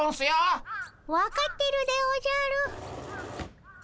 分かってるでおじゃる。